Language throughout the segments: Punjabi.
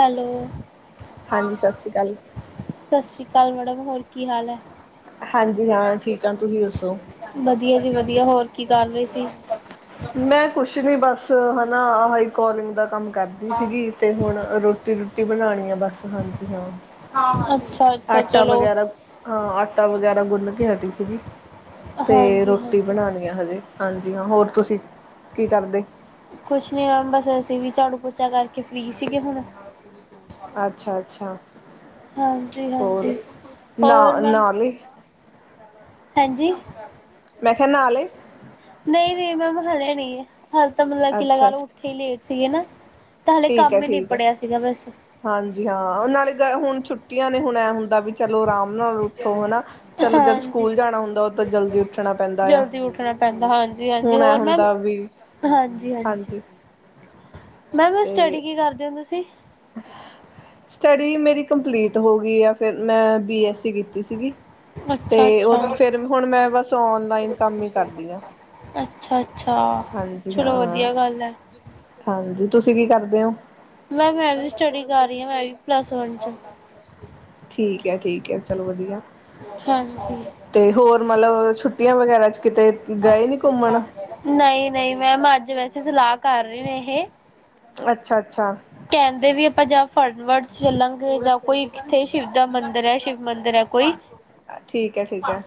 ਹੈਲੋ ਹਾਂਜੀ ਸਤਿ ਸ਼੍ਰੀ ਅਕਾਲ ਸਤਿ ਸ਼੍ਰੀ ਕਾਲ ਮੇਡਮ ਹੋਰ ਕੀ ਹਾਲ ਐ। ਹਾਂਜੀ ਹਾਂ ਠੀਕ ਆ ਤੁਸੀਂ ਦੱਸੋ ਵਧੀਆ ਜੀ ਵਧ ਧੀਆ ਹੋਰ ਕੀ ਕਰ ਰਹੇ ਸੀ? ਮੈਂ ਕੁਛ ਨੀ ਬਸ, ਹਨਾ ਆਹਾ ਈ ਕੋਲਿੰਗ ਦਾ ਕੰਮ ਕਰਦੀ ਸੀਗੀ, ਤੇ ਹੁਣ ਰੋਟੀ ਰੁਟੀ ਬਣਾਣੀ ਆ ਬਸ। ਹਾਂਜੀ ਹਾਂ। ਅੱਛਾ ਅੱਛਾ ਆਟਾ ਚਲੋ ਵਗੈਰਾ ਹਾਂ ਆਟਾ ਵਗੈਰਾ ਗੁੰਨ ਕੇ ਹਟੀ ਸੀਗੀ। ਤੇ ਹਾਂਜੀ ਰੋਟੀ ਹਾਂਜੀ ਬਣਾਣੀ ਆ ਹਜੇ। ਹਾਂਜੀ ਹਾਂ, ਹੋਰ ਤੁਸੀਂ ਕੀ ਕਰਦੇ? ਕੁਛ ਨੀ ਬਸ ਅਸੀਂ ਵੀ ਝਾੜੂ ਪੋਚਾ ਕਰਕੇ ਫ੍ਰੀ ਸੀਗੇ ਹੁਣ ਅੱਛਾ-ਅੱਛਾ ਹਾਂਜੀ ਹਾਂਜੀ ਹੋਰ ਨਾ ਹੋਰ ਮੈਮ ਨਾਲੇ ਹਾਂਜੀ। ਮੈ ਖਿਆ ਨਾਹ ਲੇ ਨਈ ਮੈਮ ਹਲੇ ਨੀ, ਹਲ ਤਾਂ ਮਤਲਬ ਕਿ ਲਗਾ ਅੱਛਾ ਉੱਠੇ ਈ ਲੇਟ ਸੀਗੇ ਨਾ ਤਾਂ ਹਾਲੇ ਠੀਕ ਹੈ ਕੰਮ ਈ ਠੀਕ ਹੈ ਨੀਬੜਿਆ ਸੀਗਾ ਬਸ। ਹਾਂਜੀ ਹਾਂ ਨਾਲੇ ਗ ਹੁਣ ਛੁੱਟੀਆਂ ਨੇ ਹੁਣ ਐਂ ਹੁੰਦਾ ਵੀ ਚਲੋ ਰਾਮ ਨਾਲ ਉੱਠੋ ਹਨਾ। ਚਲੋ ਜਦ ਹਾਂਜੀ ਸਕੂਲ ਜਾਣਾ ਹੁੰਦਾ ਓਦੋਂ ਤਾਂ ਜਲਦੀ ਉੱਠਣਾ ਪੈਂਦਾ ਆ ਜਲਦੀ ਉੱਠਣਾ ਪੈਂਦਾ ਹੁਣ ਐਂ ਹੋਰ ਮੈਮ ਹੁੰਦਾ ਵੀ ਹਾਂਜੀ ਹਾਂਜੀ। ਮੈਮ ਵੈਸ ਤੇ ਸਟੱਡੀ ਕੀ ਕਰਦੇ ਓ ਤੁਸੀਂ? ਸਟੱਡੀ ਮੇਰੀ ਕੰਪਲੀਟ ਹੋ ਗਈ ਆ, ਫਿਰ ਮੈਂ ਬੀ ਐੱਸ ਸੀ ਕੀਤੀ ਸੀਗੀ। ਤੇ ਓ ਅੱਛਾ-ਅੱਛਾ, ਫੇਰ ਹੁਣ ਮੈਂ ਬਸ ਓਨਲਾਈਨ ਕੰਮ ਈ ਕਰਦੀ ਆ। ਅੱਛਾ-ਅੱਛਾ ਹਾਂਜੀ ਹਾਂ ਚਲੋ ਹਾਂ, ਵਧੀਆ ਗੱਲ ਐ। ਹਾਂਜੀ ਤੁਸੀਂ ਕੀ ਕਰਦੇ ਓ? ਮੈਮ ਮੈਂ ਵੀ ਸਟੱਡੀ ਕਰ ਰਹੀ ਆ। ਮੈਂ ਵੀ ਪਲੱਸ ਵਨ ਚ। ਠੀਕ ਐ ਠੀਕ ਐ ਚਲੋ ਵਧੀਆ। ਹਾਂਜੀ। ਤੇ ਹੋਰ ਮਤਲਬ ਛੁੱਟੀਆਂ ਵਗੈਰਾ ਚ ਕਿਤੇ ਗਏ ਨੀ ਘੁੰਮਣ ਨਈ ਨਈ ਮੈਮ ਅੱਜ ਵੈਸੇ ਸਲਾਹ ਕਰ ਰਏ ਨੇ ਏਹੇ ਅੱਛਾ ਅੱਛਾ। ਫਨ ਵਰਡਸ ਚ ਚੱਲਾਂਗੇ ਜਾਂ ਕੋਈ ਕਿਥੇ ਸ਼ਿਵ ਦਾ ਮੰਦਿਰ ਐ, ਸ਼ਿਵ ਮੰਦਿਰ ਐ ਕੋਈ। ਠੀਕ ਐ ਠੀਕ ਐ।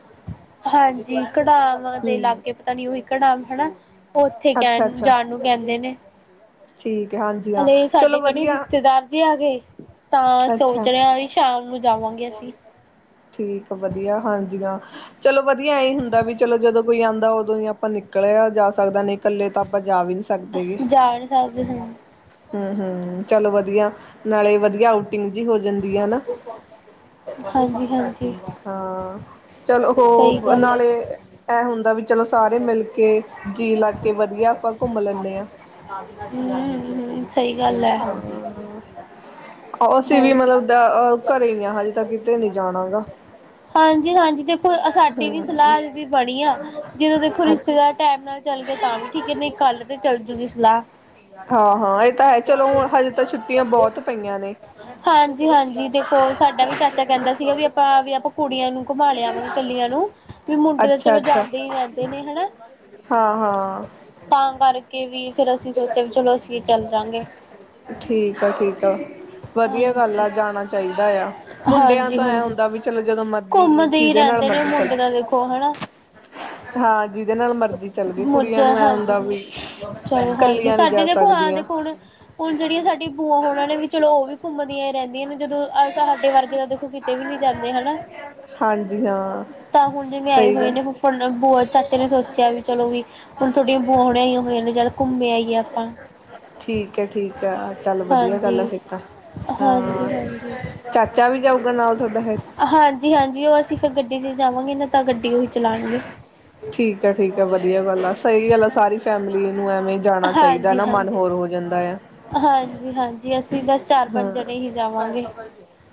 ਹਾਂਜੀ ਕਢਾਮਾ ਦੇ ਲਾਗੇ ਪਤਾ ਨੀ ਓਈ ਕਢਾਮ ਹਨਾ। ਓ ਓਥੇ ਕੈਣ ਅੱਛਾ-ਅੱਛਾ ਜਾਣ ਨੂੰ ਕਹਿੰਦੇ ਨੇ। ਠੀਕ ਹੈ ਹਾਂਜੀ ਹਾਂ ਹਲੇ ਸਾਡੇ ਚਲੋ ਘਰੇ ਵਧੀਆ ਰਿਸ਼ਤੇਦਾਰ ਜੇ ਆਗੇ। ਤਾਂ ਸੋਚ ਅੱਛਾ ਰਏ ਵੀ ਸ਼ਾਮ ਨੂੰ ਜਾਵਾਂਗੇ ਅਸੀਂ। ਠੀਕ ਵਧੀਆ ਹਾਂਜੀਆਂ। ਚਲੋ ਵਧੀਆ ਏ ਹੁੰਦਾ ਵੀ ਚਲੋ ਜਦੋਂ ਕੋਈ ਆਂਦਾ ਉਦੋਂ ਈ ਆਪਾਂ ਨਿਕਲਿਆ ਜਾ ਸਕਦਾ। ਨੇ ਇਕੱਲੇ ਤਾਂ ਆਪਾਂ- ਜਾ ਵੀ ਨੀ ਸਕਦੇ ਗੇ। ਜਾ ਨਹੀਂ ਸਕਦੇ ਹੁਣ ਹੂੰ ਹੂੰ ਚਲੋ ਵਧੀਆ। ਨਾਲੇ ਵਧੀਆ- ਆਊਟਿੰਗ ਜਿਹੀ ਹੋ ਜਾਂਦੀ ਹੈ ਨਾ ਹਾਂਜੀ-ਹਾਂਜੀ ਹਾਂ- ਚਲੋ ਸਹੀ ਹੋ ਗੱਲ ਆ। ਨਾਲੇ- ਐ ਹੁੰਦਾ ਵੀ ਚਲੋ ਸਾਰੇ ਮਿਲ ਕੇ ਜੀਅ ਲੱਗ ਕੇ ਵਧੀਆ ਆਪਾਂ ਘੁੰਮ ਲੈਂਨੇ ਆਂ। ਹੂੰਅ-ਹੂੰਅ ਜ- ਹਾਂ- ਅਸੀਂ ਵੀ ਹਾਂਜੀ। ਮਤਬ- ਅ-ਅ-ਘਰੇ ਈ ਆ, ਹਲੇ ਤ ਕਿਤੇ ਨੀ ਜਾਣਾ ਗਾ। ਹਾਂਜੀ -ਹਾਂਜੀ ਦੇਖੋ ਸਾਡੀ ਵੀ ਹੂੰ ਸਲਾਹ ਦੀ ਬਣੀ ਆ। ਜਦੋਂ ਦੇਖੋ ਅੱਛ ਰਿਸ਼ਤੇਦਾਰ ਟੈਮ ਨਾਲ ਜ- ਚੱਲ ਗਏ ਤਾਂ ਵੀ ਠੀਕ ਐ। ਨਈ ਕੱਲ੍ਹ ਤੇ ਚੱਲ ਜੂਗੀ ਸਲਾਅ। [inaudible] ਹਾਂ ਹਾਂ ਇਹ ਤਾਂ ਹੈ ਚਲੋ ਹੁਣ ਹਜੇ ਤਾਂ ਛੁੱਟੀਆਂ ਬਹੁਤ ਪਈਆਂ ਨੇ ਹਾਂਜੀ- ਹਾਂਜੀ ਦੇਖੋ ਸਾਡਾ ਵੀ ਚਾਚਾ ਕਹਿੰਦਾ‌ ਸੀਗਾ ਵੀ ਆਪਾਂ ਵੀ ਆਪ- ਕੁੜੀਆਂ ਨੂੰ ਘੁਮਾ ਲਿਆਵਾਂਗੇ ਕੱਲੀਆਂ ਨੂੰ। ਵੀ ਮੁੰਡੇ ਤਾਂ ਅੱਛਾ ਚਲੋ ਅੱਛਾ ਜਾਂਦੇ ਈ ਰਹਿੰਦੇ ਨੇ ਹਨਾ। ਹਾਂ ਹਾਂ ਤਾਂ ਕਰਕੇ ਵੀ ਫੇਰ ਅਸੀਂ ਸੋਚਿਆ ਵੀ ਚਲੋ ਅਸੀਂ- ਕੀ ਚੱਲ ਜਾਂ ਗੇ। ਠੀਕ ਆ ਠੀਕ ਆ ਵਧੀਆ ਗੱਲ ਹਾਂਜੀ ਆ ਜਾਣਾ ਚਾਹੀਦਾ ਆ ਮੁੰਡਿਆਂ -ਹਾਂਜੀ ਤੋਂ ਐ ਹਾਂਜੀ ਹੁੰਦਾ ਵੀ ਚਲੋ ਜਦੋਂ ਮਰਜ਼ੀ ਘੁੰਮਦੇ ਈ ਜਿਹਦੇ ਨਾਲ ਰਹਿੰਦੇ ਨੇ। ਮਰਜ਼ੀ ਚੱਲ ਮੁੰਡੇ ਤਾ ਦੇਖੋ। ਹਨਾ- ਹਾਂ ਜਿਹਦੇ ਨਾਲ ਮਰਜ਼ੀ ਚੱਲ ਗਏ ਕੁੜੀਆਂ ਮੁਰਜਾ ਨੂੰ ਐ ਹਾਂਜੀ। ਹੁੰਦਾ ਵੀ ਹ- ਚਲੋ ਹਾਂਜੀ ਕੱਲੀਆਂ ਨਹੀਂ ਸਾਡੇ ਜਾ ਦੇਖੋ ਹਾਂ ਸਕਦੀਆਂ ਦੇਖੋ ਹੁਣ- ਹੁਣ ਜੇੜੀਆਂ ਸਾਡੀ ਬੂਆ ਹੋਣ- ਉਨਾਂ ਨੇ ਵੀ ਚਲੋ ਓ ਵੀ ਘੁੰਮਦੀਆਂ ਰਹਿੰਦੀਆਂ ਨੇ। ਜਦੋਂ ਅ ਸਾਡੇ ਵਰਗੇ ਤਾਂ ਦੇਖੋ ਕਿਤੇ ਵੀ ਨੀ ਜਾਂਦੇ ਹਨਾ। ਹਾਂਜੀ ਹਾਂ ਤਾਂ ਹੁਣ ਜਿਵੇਂ ਆਏ ਸਹੀ ਹੋਏ ਗੱਲ ਨੇੇ ਫੁਫੜ, ਬੂਆ- ਚਾਚੇ ਨੇ ਸੋਚਿਆ ਵੀ ਚਲੋ ਵੀ- ਹੁਣ ਤੋਡੀਆਂ ਬੂਹਾ ਹੁਨੀ ਆਈਆ ਹੋਈਆਂ ਨੇ। ਚਲ ਘੁੰਮੇ ਆਈਏ ਆਪਾਂ। ਠੀਕ ਐ ਠੀਕ ਐ ਚੱਲ ਵਧੀਆ ਹਾਂਜੀ ਗੱਲ ਆ ਫਿਰ ਤਾਂ। ਹਾਂਜੀ ਆ ਹਾਂਜੀ ਚਾਚਾ ਵੀ ਜਾਊਗਾ? ਨਾਲ ਤੁਹਾਡਾ ਹੈ ਹਾਂਜੀ- ਹਾਂਜੀ ਓ ਅਸੀਂ ਫੇਰ ਗੱਡੀ ਚ ਜਾਵਾਂਗੇ ਨਾ ਤਾਂ ਗੱਡੀ ਉਹੀ ਚਲਾਣਗੇ। ਠੀਕ ਆ ਠੀਕ ਆ ਵਧੀਆ ਗੱਲ ਆ। ਸਈ ਗੱਲ ਆ ਸਾਰੀ ਫੈਮਿਲੀ- ਨੂੰ ਐਵੇਂ ਜਾਣਾ ਚਾਈਦਾ ਹਾਂਜੀ ਨਾ ਮਨ ਹਾਂਜੀ ਹੋਰ ਹੋ ਜਾਂਦਾ। ਆ ਹਾਂਜੀ -ਹਾਂਜੀ ਅਸੀਂ ਬਸ ਚਾਰ ਪੰਜ ਹਾਂ ਜਣੇ ਹੀ ਜਾਵਾਂਗੇ।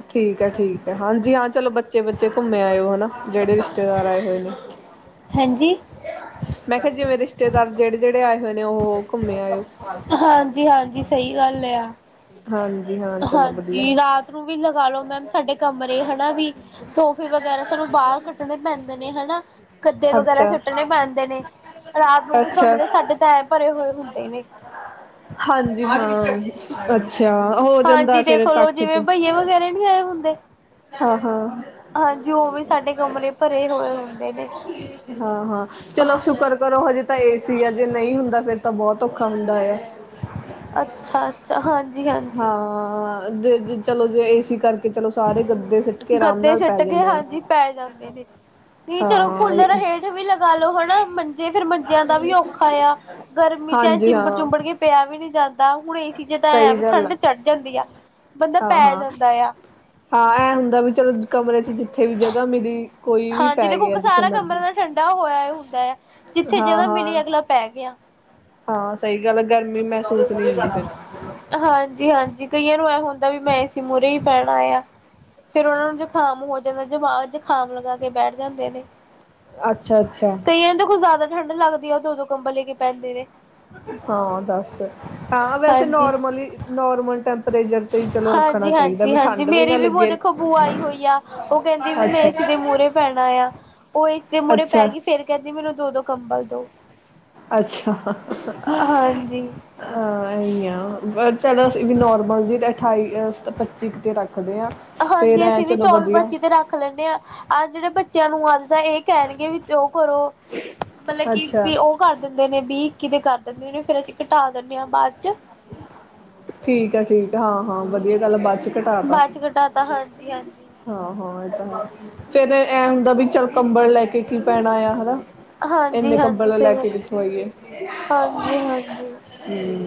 ਠੀਕ ਐ ਠੀਕ ਐ ਹਾਂਜੀ ਹਾਂ ਚਲੋ ਬੱਚੇ- ਮੈਂ ਓ ਨਾ। ਜੇੜੇ ਰਿਸ਼ਤੇਦਾਰ ਆਏ ਹੋਏ ਨੇ। ਹਾਂਜੀ ਮੈਂ ਕਿਆ ਜਿਵੇਂ ਰਿਸ਼ਤੇਦਾਰ ਜੇੜੇ -ਜੇੜੇ ਆਏ ਹੋਏ ਨੇ। ਉਹ ਘੁੰਮੇ ਆਇਓ ਹਾਂਜੀ -ਹਾਂਜੀ ਸਈ ਗੱਲ ਏ ਆ। ਹਾਂਜੀ। ਹਾਂ ਚਲੋ ਵਧੀਆ ਹਾਂਜੀ ਰਾਤ ਨੂੰ ਵੀ ਲਗਾਲੋ ਮੈਮ ਸਾਡੇ ਕਮਰੇ ਹਨਾ ਵੀ ਸੋਫੇ ਵਗੈਰਾ ਸਾਨੂੰ- ਬਾਹਰ ਕੱਟਣੇ ਪੈਂਦੇ- ਨੇ ਹਨਾ ਗੱਦੇ ਵਗੈਰਾ ਅੱਛਾ ਸੁੱਟਣੇ ਪੈਂਦੇ ਨੇ ਰਾਤ ਨੂੰ ਵੀ ਅੱਛਾ ਕਮਰੇ ਸਾਡੇ ਟਾਈਮ- ਹੋਏ ਹੁੰਦੇ ਨੇ- ਹਾਂਜੀ ਹਾਂ ਅੱਛਾ ਹੋ ਜਾਂਦਾ ਹਾਂਜੀ ਫਿਰ ਦੇਖਲੋ ਇਕੱਠ ਜਿਵੇਂ ਚ ਬਹੀਏ ਵਗੈਰੇ ਨੀ ਆਏ। ਹੁੰਦੇ। ਹਾਂ ਹਾਂ ਹਾਂਜੀ, ਉਹ ਵੀ ਸਾਡੇ ਕਮਰੇ ਭਰੇ ਹੋਏ ਹੁੰਦੇ ਨੇ। ਹਾਂ ਹਾਂ, ਚਲੋ ਸ਼ੁਕਰ ਕਰੋ ਹਜੇ ਤਾਂ ਏਸੀ ਏ ਜੇ ਨਹੀਂ ਹੁੰਦਾ ਫੇਰ ਤਾਂ ਬਹੁਤ ਔਖਾ ਹੁੰਦਾ ਏ ਆ। ਅੱਛਾ ਅੱਛਾ ਹਾਂਜੀ ਹਾਂਜੀ ਹਾਂ-ਅ ਜੇ ਚਲੋ ਜੇ ਏ ਸੀ ਕਰਕੇ ਚਲੋ- ਸਾਰੇ ਗੱਦੇ ਸਿੱਟ ਕੇ ਆਰਾਮ ਗੱਦੇ ਨਾਲ ਪੈ ਸੁੱਟ ਕੇ ਜਾਂਦੇ ਆ। ਹਾਂਜੀ ਪੈ ਜਾਂਦੇ ਨੇ। ਨਹੀਂ ਚਲੋ ਹਾਂ ਕੂਲਰ ਹੇਠ ਵੀ ਲਗਾ ਲੋ ਹੈ ਨਾ ਮੰਜੇ ਫਿਰ ਮੰਜਿਆਂ ਦਾ ਵੀ ਔਖਾ ਆ, ਗਰਮੀ ਬਈ ਚਲ ਹਾਂਜੀ ਚਿੰਬੜ ਹਾਂ ਚੁੰਬੜ ਕੇ ਪਿਆ ਵੀ ਨੀ ਜਾਂਦਾ। ਹੁਣ ਏ ਸੀ ਚ ਤਾਂ ਐ ਸਹੀ ਵੀ ਗੱਲ ਆ ਠੰਡ ਚੜ੍ਹ ਜਾਂਦੀ ਆ, ਬੰਦਾ ਹਾਂ ਪੈ ਹਾਂ। ਜਾਂਦਾ ਆ। ਹਾਂ ਇਹਂ ਹੁੰਦਾ ਵੀ ਚਲੋ ਕਮਰੇ ਚ ਜਿੱਥੇ ਵੀ ਜਗ੍ਹਾ ਮਿਲੀ ਕੋਈ ਵੀ ਹਾਂ ਪੈ ਜਿਹਦੇ ਕੁ ਗਿਆ ਜਿੱਥੇ ਸਾਰਾ ਕਮਰਾ ਮਰਜ਼ੀ। ਦਾ ਠੰਡਾ ਹੋਇਆ ਹੁੰਦਾ ਹੈ। ਜਿੱਥੇ ਹਾਂ ਜਿਹਦਾ ਹਾਂ ਮਿਲੀ ਅਗਲਾ ਪੈ ਗਿਆ। ਹਾਂ ਸਹੀ ਗੱਲ ਆ ਗਰਮੀ ਮਹਿਸੂਸ ਨਹੀਂ ਹੁੰਦੀ ਫਿਰ। ਹਾਂਜੀ ਹਾਂਜੀ ਕਈਏ ਹੁੰਦਾ ਵੀ ਮੈਂ ਏਸੀ ਮੂਹਰੇ ਹੀ ਪੈਣਾ ਆ। ਫੇਰ ਉਹਨਾ ਨੂੰ ਜੁਖਾਮ ਹੋ ਜਾਂਦਾ ਜਮਾ ਜੁਖਾਮ ਲਗਾ ਕੇ ਬੈਠ ਜਾਂਦੇ ਨੇ। ਅੱਛਾ ਅੱਛਾ ਠੰਡ ਲੱਗਦੀ ਆ ਦੋ ਦੋ ਕੰਬਲ ਲੈ ਕੇ ਪੈਂਦੇ ਨੇ। ਹਾਂ ਦੱਸ, ਹਾਂ ਵੈਸੇ ਹਾਂਜੀ ਨੋਰਮਲੀ-ਨੋਰਮਲ ਟੈਂਪਰੇਚਰ ਤੇ ਹੀ ਚਲੋ ਰੱਖਣਾ ਚਾਹੀਦਾ ਵੀ ਠੰਡ। ਮੇਰੇ ਨਾ ਵੀ ਲੱਗੇ। ਦੇਖੋ ਬੂਆ ਆਈ ਹੋਈ ਆ ਉਹ ਕਹਿੰਦੀ ਵੀ ਮੈਂ ਅੱਛਾ ਇਸ ਦੇ ਮੂਹਰੇ ਪੈਣਾ ਆ। ਉਹ ਏ ਸੀ ਮੂਹਰੇ ਪੈ ਅੱਛਾ ਗਈ ਫੇਰ ਕਹਿੰਦੀ ਮੈਨੂੰ ਦੋ ਦੋ ਕੰਬਲ ਦਿਉ। ਅੱਛਾ-ਹ-ਹ-ਹਾ ਹਾਂਜੀ ਹਾਂ, ਇਹੀ ਆ ਚਲੋ ਵੀ ਨੋਰਮਲ ਜਿਹਾ ਅਠਾਈਜਾਂ ਪੱਚੀ ਪੁੱਚੀ ਤੇ ਰੱਖਦੇ ਹਾਂ। ਫੇਰ ਹਾਂਜੀ, ਐਂ ਅਸੀਂ ਵੀ ਚਲੋ ਵਧੀਆ ਚੌਵੀ-ਪੱਚੀ ਤੇ ਰੱਖ ਲੈਂਏ ਆ, ਅਜ ਦੇ ਬੱਚਿਆਂ ਨੂੰ- ਤਾਂ ਇਹ ਕਹਿਣਗੇ ਵੀ ਉਹ ਕਰੋ, ਮਤਲਬ ਕਿ ਅੱਛਾ ਵੀ ਉਹ ਕਰ ਦਿੰਦੇ ਨੇ ਬੀ। ਕਿਵੇਂ ਕਰ ਦਿੰਦੇ ਨੇ, ਫੇਰ ਅਸੀਂ ਘਟਾ ਦਿੰਦੇ ਹਾਂ ਬਾਅਦ ਚ। ਠੀਕ ਹੈ ਠੀਕ ਏ, ਹਾਂ-ਹਾਂ ਵਧੀਆ ਗੱਲ ਬਾਦ ਚ ਘਟਾ ਤਾ ਬਾਅਦ ਚ ਕਟਾਤਾ ਹਾਜੀ। ਹਾਂ ਹਾਂ ਇਹ ਤਾਂ ਹੈ, ਫੇਰ ਇਹ ਹੁੰਦਾ ਵੀ ਚੱਲ ਕੰਬਲ ਲੈ ਕੇ। ਕੀ ਪੈਣਾ ਆ। ਹੈਨਾ ਇੰਨੇ ਹਾਂਜੀ ਹਾਂਜੀ ਕੰਬਲ ਲੈ ਸਹੀ ਕੇ ਗੱਲ ਕਿੱਥੋਂ ਆਈਏ। ਹਾਂਜੀ-ਹਾਂਜੀ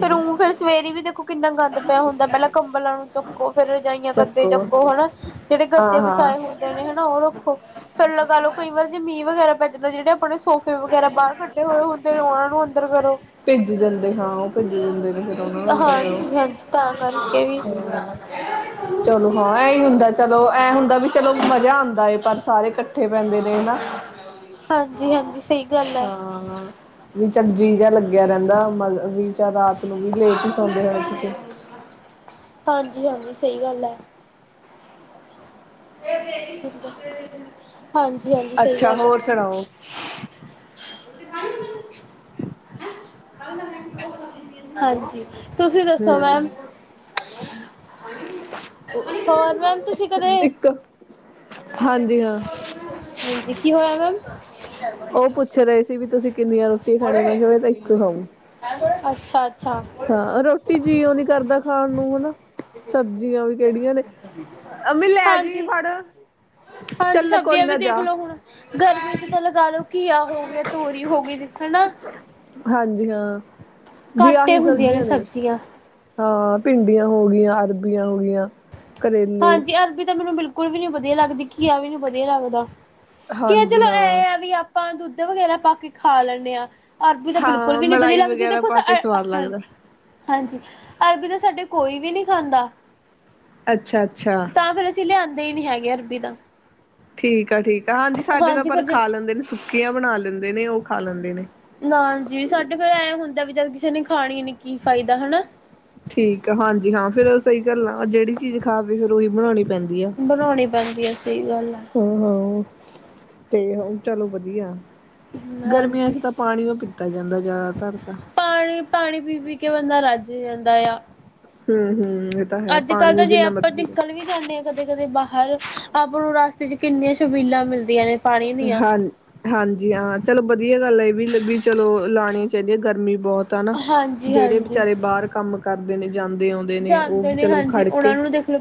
ਫੇਰ, ਉ ਫੇਰ ਸਵੇਰੇ ਵੀ ਦੇਖੋ ਕਿੰਨਾ ਗੰਦ ਪਿਆ ਹੁੰਦੇ, ਪਹਿਲਾਂ ਕੰਬਲਾਂ ਨੂੰ ਚੁੱਕੋ, ਫੇਰ ਰਜਾਈਆਂ ਗੱਦੇ ਚੱਕੋ ਚੁੱਕੋਹੈ ਨਾ? ਜਿਹੜੇ ਹਾਂ ਗੱਦੇ ਵਿਛਾ- ਹਾਂ ਹੁੰਦੇ ਨੇ ਹੈ ਨਾ ਉਹ ਰੱਖੋ ਫਿਰਲਗਾ ਲਓ ਕਈ ਵਾਰ ਜੇ ਮੀਂਹ ਵਗੈਰਾ ਪੈਂਦਾ। ਜਿੱਦਾਂ ਜਿਹੜੇ ਆਪਾਂ ਨੇ ਸੋਫੇ ਵਗੈਰਾ ਬਾਹਰ ਕੱਢੇ ਹੋਏ ਹੁੰਦੇ ਉਹਨਾਂ ਨੂੰ ਅੰਦਰ ਕਰੋ। ਭਿੱਜ ਜਾਂਦੇ, ਹਾਂ ਉਹ ਭਿੱਜ ਜਾਂਦੇ ਨੇ, ਫਿਰ ਉਹਨਾਂ ਨੂੰ ਅੰਦਰ ਕਰੋ। ਹਾਂਜੀ-ਹਾਂਜੀ ਤਾਂ ਕਰਕੇ ਵੀ ਚਲੋ ਹਾਂ ਇਹੀ ਹੁੰਦਾ। ਚਲੋ ਐਂ ਹੁੰਦਾ ਵੀ ਚਲੋ ਮਜ਼ਾ ਆਂਦੇ, ਪਰ ਸਾਰੇ ਇਕੱਠੇ ਬਹਿੰਦੇ ਨੇ ਨਾ? ਹਾਂਜੀ-ਹਾਂਜੀ ਸਈ ਗੱਲ ਐ। ਹਾਂ-ਆ ਜੀਅ ਜਾ ਲੱਗਿਆ ਰਹਿੰਦਾ, ਮਤਲਬ ਵੀ ਚੱਲ ਰਾਤ ਨੂੰ ਵੀ ਲੇਟ ਹੀ ਸੌਂਦੇ ਰੇ। ਹਾਂਜੀ-ਹਾਂਜੀ ਸਹੀ ਗੱਲ ਏ। ਹਾਂਜੀ-ਹਾਂਜੀ ਸਈ ਅੱਛਾ ਗੱਲ ਐ ਹੋਰ ਸੁਣਾਓ। ਹਾਂਜੀ ਤੁਸੀਂ ਦੱਸੋ ਮੈਮ। ਹੋਰ ਮੈਮ ਤੁਸੀਂ ਕਦੇ ਇੱਕ ਹਾਂਜੀ ਹਾਂ ਹਾਂਜੀ ਕੀ ਹੋਇਆ ਮੈਮ? ਉਹ ਪੁੱਛ ਰਹੇ ਸੀ ਵੀ ਤੁਸੀਂ ਕਿੰਨੀਆਂ ਰੋਟੀਆਂ ਖਾਣੀ ਮੈਂ ਕਿਹਾ ਕਿ ਮੈ ਤਾਂ ਇੱਕ ਖਾਊ। ਅੱਛਾ ਅੱਛਾ ਹਾਂ ਰੋਟੀ ਜੀਓਂ ਨੀ ਕਰਦਾ ਖਾਣ ਨੂੰ ਹੈ ਨਾ ਸਬਜ਼ੀਆਂ ਵੀ ਕਿਹੜੀਆਂ ਨੇ। ਅੰਮੀ ਲੈ ਜੀ ਹਾਂਜੀ ਫੜ [unintelligible] ਹਾਂਜੀ ਚੱਲ ਕੋਈ ਸਬਜ਼ੀਆਂ ਵੀ ਨਾ ਦੇਖ ਜਾ ਲੋ ਹੁਣ ਗਰਮੀ ਚ ਤਾਂ ਲਗਾ ਲਓ ਘੀਆ ਹੋ ਗਿਆ ਤੋਰੀ ਹੋ ਗਈ ਹੈ ਨਾ [unintelligible] ਹਾਂਜੀ ਹਾਂ, ਵੀ ਏ ਆਹੀ ਹੁੰਦੀਆਂ ਨੇ ਸਬਜ਼ੀਆਂ ਹਾਂ ਭਿੰਡੀਆਂ ਹੋ ਗੀਆਂ, ਅਰਬੀਆਂ ਹੋ ਗੀਆਂ ਹਾਂਜੀ ਅਰਬੀ ਤਾਂ ਮੈਨੂੰ ਬਿਲਕੁਲ ਵੀ ਨੀ ਵਧੀਆ ਲੱਗਦੀ, ਘੀਆ ਵੀ ਨੀ ਵਧੀਆ ਲੱਗਦਾ। ਕੀ ਹਾਂਜੀ ਚਲੋ ਹਾਂ। ਐ ਆ ਵੀ ਆਪਾਂ ਦੁੱਧ ਵਗੈਰਾ ਪਾ ਕੇ ਖਾ ਲੈਣੇ ਆਂ। ਅਰਬੀ ਤਾਂ ਬਿਲਕੁਲ ਹਾਂ ਵੀ ਨੀ ਵਧੀਆ ਮਲਾਈ ਲੱਗਦੀ ਦੇ ਵਗੈਰਾ ਕੁਛ ਪਾ ਕੇ ਸਵਾਦ ਹ ਲੱਗਦਾ। ਹਾਂਜੀ ਅਰਬੀ ਤਾਂ ਸਾਡੇ ਕੋਈ ਵੀ ਨਹੀਂ ਖਾਂਦਾ। ਅੱਛਾ, ਅੱਛਾ। ਦੇ ਹੀ ਨਹੀਂ ਹੈਗੇ ਅਰਬੀ ਤਾਂ। ਠੀਕ ਆ, ਠੀਕ ਆ ਹਾਂਜੀ ਸਾਡੇ ਤਾਂ ਪਰ ਫਿਰ ਜ ਖਾ ਲੈਂਦੇ ਨੇ ਸੁੱਕੀਆਂ ਬਣਾ ਲੈਂਦੇ ਨੇ ਉਹ ਖਾ ਲੈਂਦੇ ਨੇ। ਨਾ ਜੀ ਸਾਡੇ ਫਿਰ ਐਂ ਹੁੰਦਾ ਵੀ ਜਦ ਕਿਸੇ ਨੇ ਖਾਣੀ ਈ ਨੀ ਕੀ ਫਾਇਦਾ ਹਨਾ। ਠੀਕ ਆ ਹਾਂਜੀ ਹਾਂ ਫੇਰ ਸਹੀ ਗੱਲ ਆ ਜਿਹੜੀ ਚੀਜ਼ ਖਾਵੇ ਫਿਰ ਉਹੀ ਬਣਾਉਣੀ ਪੈਂਦੀ ਆ ਬਣਾਉਣੀ ਪੈਂਦੀ ਆ ਸਹੀ ਗੱਲ ਆ ਹੂੰ, ਹੂੰ ਤੇ ਹੁਣ ਚਲੋ ਵਧੀਆ। ਗਰਮੀਆਂ ਹਾਂਜੀ। ਚ ਤਾਂ ਪਾਣੀ ਓ ਪੀਤਾ ਜਾਂਦਾ ਜ਼ਿਆਦਾਤਰ ਤਾਂ। ਪਾਣੀ- ਪਾਣੀ ਪੀ-ਪੀ ਕੇ ਬੰਦਾ ਰੱਜ ਜਾਂਦਾ ਆ। ਹੂੰ, ਹੂੰ। ਅੱਜ- ਕੱਲ੍ਹ ਤਾਂ ਜੇ ਆਪਾਂ ਨਿਕਲ ਵੀ ਜਾਂਦੇ ਹਾਂ ਕਦੇ- ਕਦੇ ਬਾਹ ਹਰ ਆਪਾਂ ਨੂੰ ਰਸਤੇ ਚ ਕਿੰਨੀਆਂ ਸ਼ਬੀਲਾਂ ਮਿਲਦੀ ਹਾਂ ਹਾਂਜੀ ਹਾਂ, ਚਲੋ ਵਧੀਆ ਗੱਲ ਏ। ਵੀ ਲੱਗੀ ਚਲੋ ਲਾਣੀਆਂ ਚਾਹੀਦੀਆਂ ਗਰਮੀ ਬਹੁਤ ਆ ਨਾ, ਹਾਂਜੀ ਜਿਹੜੇ ਹਾਂਜੀ। ਵਿਚਾਰੇ ਬਾਹਰ ਕੰਮ ਕਰਦੇ ਨੇ। ਜਾਂਦੇ ਆਉਂਦੇ ਨੇ ਉਹ ਚਲੋ ਖੜ ਕੇ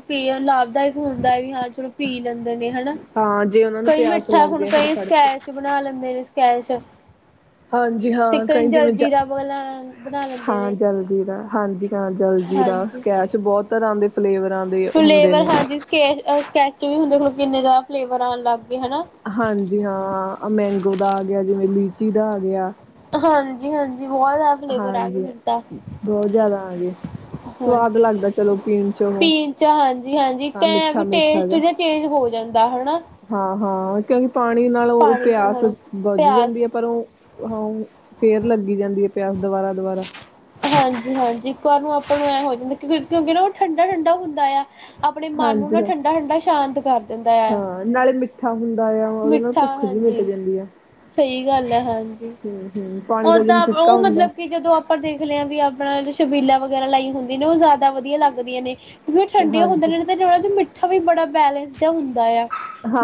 ਪੀਣਾ ਲਾਭਦਾਇਕ ਹੁੰਦਾ ਹੈ ਵੀ ਹਾਂ ਚਲੋ ਪੀ ਲੈਂਦੇ ਨੇ ਹਨਾ। ਹਾਂ ਜੇ ਉਹਨਾਂ ਨੂੰ ਕਈ ਪਿਆਸ ਮਿੱਠਾ ਲੱਗਦੀ ਹੁਣ ਹੈ ਫਿਰ ਕਈ ਫੜ ਕੇ ਸਕੈਚ ਬਣਾ ਲੈਂਦੇ ਨੇ ਸਕੈਸ਼ ਹਾਂਜੀ ਹਾਂ ਕਈ ਜਿਵੇਂ ਜ ਜਲਜੀਰਾ ਬਣਾ ਬਣਾ ਲੈਂਦੇ ਹਾਂ ਨੇ। ਜਲ ਜ਼ੀਰਾ ਦਾ ਹਾਂਜੀ ਹਾਂ ਜਲ ਜ਼ੀ ਦਾ ਹਾਂਜੀ। ਸਕੈਸ਼ ਬਹੁਤ ਤਰ੍ਹਾਂ ਦੇ ਫਲੇਵਰਾਂ ਦੇ ਹੁੰਦੇ ਫਲੇਵਰ ਨੇ ਹਾਂਜੀ ਸਕੈਚ- ਸਕੈਚ ਚ ਵੀ ਹੁੰਦੇ ਦੇਖਲੋ ਕਿੰਨੇ ਜ਼ਿਆਦਾ ਫਲੇਵਰ ਆਣ ਲਾਗੇ। ਹਾਂਜੀ ਹਾਂ ਮੈਂਗੋ ਦਾ ਆ ਗਿਆ, ਜਿਵੇਂ ਲੀਚੀ ਦਾ ਆ ਗਿਆ। ਹਾਂਜੀ- ਹਾਂਜੀ, ਬਹੁਤ ਜ਼ਿਆਦਾ ਫਲੇਵਰ ਆ ਗਏ ਹਾਂਜੀ ਹੁਣ ਤਾਂ। ਬਹੁਤ ਜ਼ਿਆਦਾ ਆ ਗਏ ਸਵਾਦ ਹਾਂਜੀ ਲੱਗਦਾ ਚਲੋ ਪੀਣ ਚ ਉਹ ਪੀਣ ਚ ਹਾਂਜੀ- ਹਾਂਜੀ ਇਕ ਹਾਂ ਐਂ ਮਿੱਠਾ ਵੀ ਟੇਸਟ ਜ ਚੇਂਜ ਹੋ ਜਾ ਜਾਂਦਾ ਹਨਾ। ਹਾਂ, ਹਾਂ ਕਿਉਂਕਿ ਪਾਣੀ ਨਾਲੋਂ ਪਾਣੀ ਤੋਂ ਪਿਆਸ ਹੁਣ ਬੁਝ ਪਿਆਸ ਜਾਂਦੀ ਹੈ ਪਰ ਉਹ ਹਾਂ ਫੇਰ ਲੱਗੀ ਜਾਂਦੀ ਹੈ ਪਿਆਸ ਦੁਬਾਰਾ, ਦੁਬਾਰਾ ਹਾਂਜੀ, ਹਾਂਜੀ ਇੱਕ ਵਾਰ ਨੂੰ ਆਪਾਂ ਨੂੰ ਐਂ ਹੋ ਜਾਂਦਾ ਕਿਉਂ ਕਿਉਂਕਿ ਨਾ ਉਹ ਠੰਡਾ, ਠੰਡਾ ਹੁੰਦਾ ਆ ਆਪਣੇ ਮਨ ਨੂੰ ਨਾ ਹਾਂਜੀ ਹਾਂ। ਠੰਡਾ- ਠੰਡਾ ਸ਼ਾਂਤ ਕਰ ਦਿੰਦਾ ਆ, ਹਾਂ ਨਾਲੇ ਮਿੱਠਾ ਹੁੰਦਾ ਆ ਉਹਦੇ ਨਾਲ ਮਿੱਠਾ ਭੁੱਖ ਜਿਹੀ ਮਿਟ ਹਾਂਜੀ ਜਾਂਦੀ ਆ। ਸਹੀ ਗੱਲ ਹੈ ਹਾਂਜੀ, ਹੂੰ-ਹੂੰ ਪਾਣੀ ਉਹ ਦਾ ਜਿਵੇਂ ਤਾਂ ਫਿੱਕਾ ਉਹ ਹੁੰਦਾ ਮਤਲਬ ਕਿ ਜਦੋਂ ਆਪਾਂ ਦੇ ਦੇਖ ਲਿਆ ਵੀ ਆਪਣਾ ਸ਼ਬੀਲਾ ਵਗੈਰਾ ਲਾਈ ਹੁੰਦੀ ਨੇ ਉਹ ਜ਼ਿਆਦਾ ਵਧੀਆ ਲੱਗਦੀਆਂ ਨੇ ਕਿਉਂਕਿ ਉਹ ਠੰਡੀਆਂ ਹੁੰਦੇ ਹਾਂਜੀ ਨੇ ਤੇ ਉਹਨਾਂ ਚ ਮਿੱਠਾ ਵੀ ਬੜਾ ਬੈਲੈਂਸ ਜਾਂ ਹੁੰਦਾ ਆ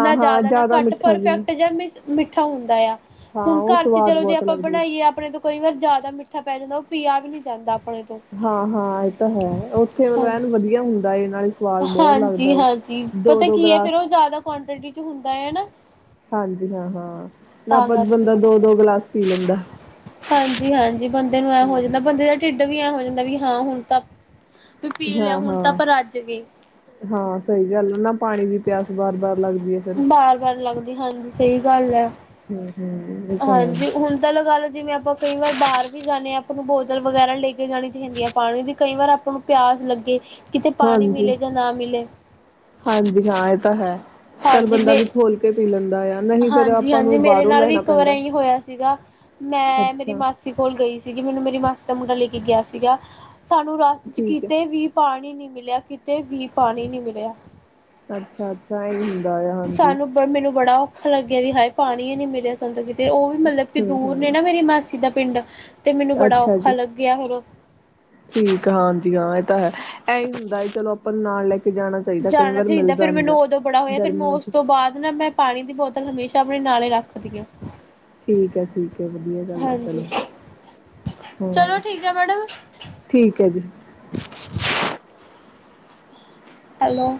ਨਾ ਜ਼ਿਆਦਾ ਨਾ ਘੱਟ ਮਿੱਠਾ ਵੀ ਨੀ। ਪਰਫੈਕਟ ਜਾਂ ਮਿੱਠਾ ਹੁੰਦਾ ਆ। ਹਾਂ ਹੁਣ ਉਹ ਘਰ ਚ ਸਵਾਦ ਚਲੋ ਜੇ ਬਹੁਤ ਆਪਾਂ ਲੱਗਦੀ ਬਣਾਈਏ ਹੈ। ਆਪਣੇ ਤੋਂ ਕਈ ਵਾਰ ਜ਼ਿਆਦਾ ਮਿੱਠਾ ਪੈ ਜਾਂਦਾ ਉਹ ਪੀਆ ਵੀ ਨਹੀਂ ਜਾਂਦਾ। ਆਪਣੇ ਤੋਂ ਹਾਂ, ਹਾਂ ਇਹ ਤਾਂ ਹੈ ਉੱਥੇ ਮਤਲਬ ਹਾਂਜੀ ਐਨ ਵਧੀਆ ਹੁੰਦਾ ਏ, ਨਾਲੇ ਸਵਾਦ ਬਹੁਤ ਲੱਗਦਾ ਹਾਂਜੀ ਹੈ। ਹਾਂਜੀ ਪਤਾ ਕੀ ਹੈ ਫਿਰ ਉਹ ਜ਼ਿਆਦਾ ਕੁਆਂਟਿਟੀ ਚ ਹੁੰਦਾ ਐ ਹਨਾ। ਹਾਂਜੀ ਹਾਂ, ਹਾਂ ਨਾ ਕਰਕੇ ਬੰਦਾ ਦੋ- ਦੋ ਗਲਾਸ ਪੀ ਲੈਂਦਾ। ਹਾਂਜੀ, ਹਾਂਜੀ ਬੰਦੇ ਨੂੰ ਐ ਹੋ ਜਾਂਦਾ ਬੰਦੇ ਦਾ ਢਿੱਡ ਵੀ ਐਂ ਹੋ ਜਾਂਦਾ ਵੀ ਹਾਂ ਹੁਣ ਤਾਂ ਵੀ ਪੀ ਲਿਆ ਹੁਣ ਤਾਂ ਹਾਂ-ਹਾਂ। ਆਪ ਰੱਜ ਗਏ। ਹਾਂ ਸਹੀ ਗੱਲ ਆ ਨਾ ਪਾਣੀ ਦੀ ਪਿਆਸ ਬਾਰ- ਬਾਰ ਲੱਗਦੀ ਹੈ ਫਿਰ। ਬਾਰ-ਬਾਰ ਲੱਗਦੀ ਹਾਂਜੀ ਸਹੀ ਗੱਲ ਹੈ, ਹਮ ਹਮ ਇਹ ਤਾਂ ਹੈ ਹਾਂਜੀ ਹੁਣ ਤਾਂ ਲਗਾਲੋ ਜਿਵੇਂ ਆਪ ਆਪਾਂ ਕਈ ਵਾਰ ਬਾਹਰ ਵੀ ਜਾਂਦੇ ਹਾਂ ਆਪਾਂ ਨੂੰ ਬੋਤਲ ਵਗੈਰਾ ਲੈ ਕੇ ਜਾਣੀ ਚਾਹੀਦੀ ਹੈ ਪਾਣੀ ਦੀ ਕਈ ਵਾਰ ਆਪਾਂ ਨੂੰ ਪਿਆਸ ਲੱਗੇ ਕਿਤੇ ਪਾਣੀ ਹਾਂਜੀ ਮਿਲੇ ਜਾਂ ਨਾ ਮਿਲੇ। ਹਾਂਜੀ ਹਾਂ ਇਹ ਤਾਂ ਹੈ ਚੱਲ ਹਾਂਜੀ ਬੰਦਾ ਮੇ ਵੀ ਖੋਲ ਕੇ ਪੀ ਲੈਂਦਾ ਆ ਨਹੀਂ ਫੇਰ ਹਾਂਜੀ, ਆਪਾਂ ਹਾਂਜੀ ਨੂੰ ਮੇਰੇ ਬਾਹਰੋਂ ਨਾਲ ਵੀ ਲੈਣਾ ਇੱਕ ਵਾਰ ਪੈਂਦਾ ਇਹੀ ਹੋਇਆ ਸੀਗਾ। ਮੈਂ ਮੇਰੀ ਅੱਛਾ ਮਾਸੀ ਕੋਲ ਗਈ ਸੀਗੀ ਮੈਨੂੰ ਮੇਰੀ ਮ ਮਾਸੀ ਦਾ ਮੁੰਡਾ ਲੈਕੇ ਗਿਆ ਸੀਗਾ। ਸਾਨੂੰ ਰਸਤੇ ਚ ਠੀਕ ਹੈ ਕਿਤੇ ਵੀ ਪਾਣੀ ਨੀ ਮਿਲਿਆ ਕਿਤੇ ਵੀ ਪਾਣੀ ਨਹੀਂ ਮਿਲਿਆ। ਅੱਛਾ, ਅੱਛਾ ਇਹੀ ਸਾਨੂੰ ਬ ਮੈਨੂੰ ਬੜਾ ਔਖਾ ਲੱਗਿਆ। ਵੀ ਹਾਏ ਪਾਣੀ ਹੀ ਨੀ ਮਿਲਿਆ ਸਾਨੂ ਤਾਂ ਕਿਤੇ ਉਹ ਵੀ ਮਤਲਬ ਕਿ ਹਮ ਦੂਰ ਨੇ ਹਮ ਮੇਰੀ ਮਾਸੀ ਦਾ ਪਿੰਡ ਤੇ ਮੈਨੂੰ ਬੜਾ ਅੱਛਾ ਔਖਾ ਜੀ ਲੱਗਿਆ ਫਿਰ ਠੀਕ ਹਾਂਜੀ ਹਾਂ। ਹੈ ਇਹੀ ਹੁੰਦਾ ਹੈ ਚਲੋ ਆਪਾਂ ਨਾਲ ਲੈ ਕੇ ਜਾਣਾ ਚਾਹੀਦਾ ਕਈ ਜਾਣਾ ਵਾਰ ਚਾਹੀਦਾ ਮਿਲਦਾ ਫਿਰ ਨੀ ਮੈਨੂੰ ਗਾ ਉਦੋਂ ਬੜਾ ਹੋਇਆ। ਫਿਰ ਮੈਂ ਗਰਮੀਆਂ ਉਸ ਚ ਤੋਂ ਬਾਅਦ ਨਾ ਮੈਂ ਪਾਣੀ ਦੀ ਬੋਤਲ ਹਮੇਸ਼ਾ ਆਪਣੇ ਨਾਲੇ ਰੱਖਦੀ ਆਂ। ਠੀਕ ਹੈ, ਠੀਕ ਹੈ ਵਧੀਆ ਗੱਲ ਆ ਚਲੋ ਚਲੋ ਹਾਂ। ਠੀਕ ਹੈ ਮੈਡਮ ਠੀਕ ਹੈ ਜੀ। ਹੈਲੋ